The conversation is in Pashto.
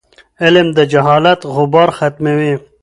علم د جهالت غبار ختموي.